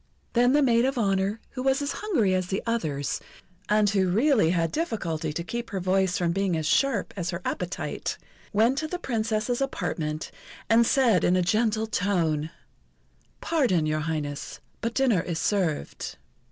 Then the maid of honour, who was as hungry as the others, and who really had difficulty to keep her voice from being as sharp as her appetite, went to the Princess's apartment, and said in a gentle tone: "Pardon, Your Highness, but dinner is served."